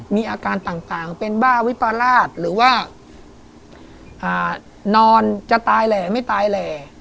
มีอาการต่างเป็นบ้าวิปราชหรือว่านอนจะตายแหล่ไม่ตายแหล่